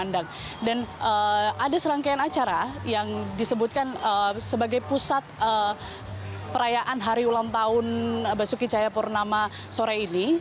dan ada serangkaian acara yang disebutkan sebagai pusat perayaan hari ulang tahun basuki cahaya purnama sore ini